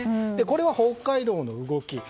これは北海道の動き。